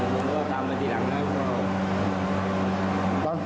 ผมก็ตามไปทีหลังแล้ว